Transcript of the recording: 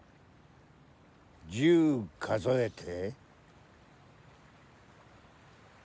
１０数えて。